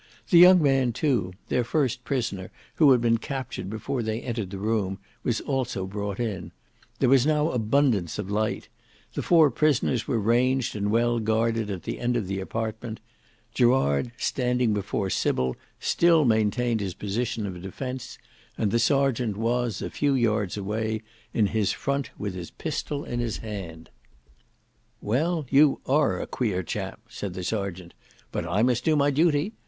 The young man too, their first prisoner who had been captured before they had entered the room, was also brought in; there was now abundance of light; the four prisoners were ranged and well guarded at the end of the apartment; Gerard standing before Sybil still maintained his position of defence, and the serjeant was, a few yards away, in his front with his pistol in his hand. "Well you are a queer chap," said the serjeant; "but I must do my duty.